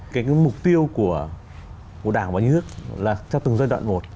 cái mục tiêu của đảng và nhà nước là theo từng giai đoạn một